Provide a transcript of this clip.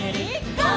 ゴー！」